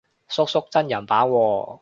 叔叔真人版喎